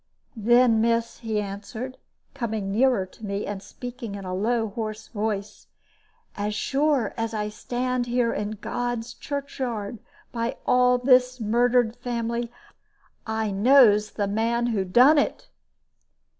"Then, miss," he answered, coming nearer to me, and speaking in a low, hoarse voice, "as sure as I stand here in God's churchyard, by all this murdered family, I knows the man who done it!"